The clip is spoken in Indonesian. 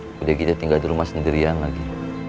aku udah gede tinggal di rumah sendirian lagi